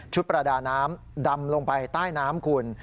ประดาน้ำดำลงไปใต้น้ำคุณ